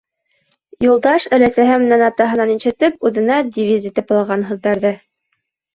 Юлдаш, өләсәһе менән атаһынан ишетеп, үҙенә девиз итеп алған һүҙҙәрҙе